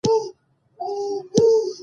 ذهن خلاص کړه لوستل پېل کړه